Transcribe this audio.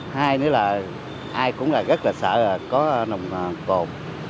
hai nữa là ai cũng là rất là sợ là có nồng tồn